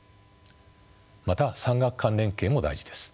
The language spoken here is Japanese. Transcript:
また産官学連携も大事です。